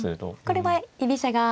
これは居飛車が。